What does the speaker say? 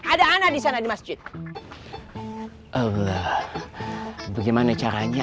ada anak di sana di masjid bagaimana caranya